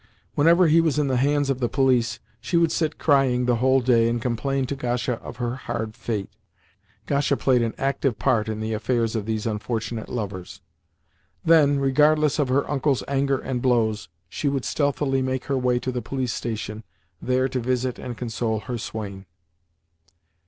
Whenever he was in the hands of the police, she would sit crying the whole day, and complain to Gasha of her hard fate (Gasha played an active part in the affairs of these unfortunate lovers). Then, regardless of her uncle's anger and blows, she would stealthily make her way to the police station, there to visit and console her swain.